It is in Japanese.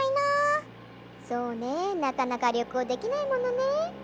そうねなかなかりょこうできないものね。